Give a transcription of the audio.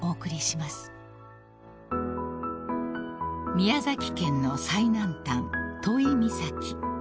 ［宮崎県の最南端都井岬］